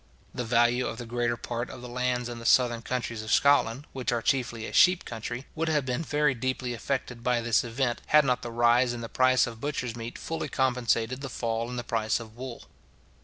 The value of the greater part of the lands in the southern counties of Scotland, which are chiefly a sheep country, would have been very deeply affected by this event, had not the rise in the price of butcher's meat fully compensated the fall in the price of wool.